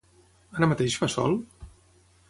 Ara mateix fa sol?